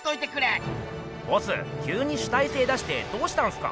ボスきゅうに主体性出してどうしたんすか？